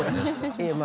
いやまあ